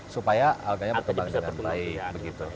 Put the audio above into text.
supaya alganya berkembang dengan baik